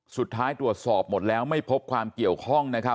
สุดท้ายตรวจสอบหมดแล้วไม่พบความเกี่ยวข้องนะครับ